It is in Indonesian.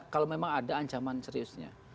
kalau memang ada ancaman seriusnya